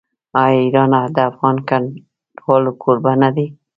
آیا ایران د افغان کډوالو کوربه نه دی؟